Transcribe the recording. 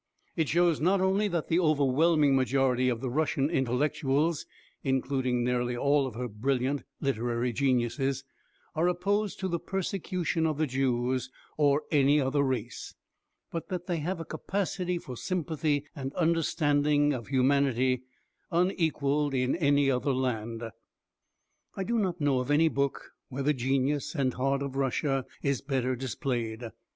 It shows not only that the overwhelming majority of the Russian intellectuals, including nearly all of her brilliant literary geniuses, are opposed to the persecution of the Jews or any other race, but that they have a capacity for sympathy and understanding of humanity unequalled in any other land. I do not know of any book where the genius and heart of Russia is better displayed.